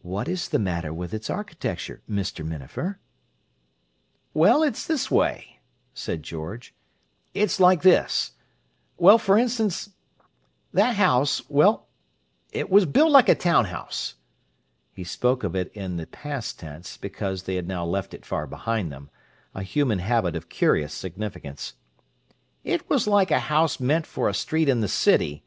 "What is the matter with its architecture, Mr. Minafer?" "Well, it's this way," said George. "It's like this. Well, for instance, that house—well, it was built like a town house." He spoke of it in the past tense, because they had now left it far behind them—a human habit of curious significance. "It was like a house meant for a street in the city.